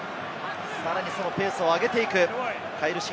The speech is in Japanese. さらにペースを上げていく。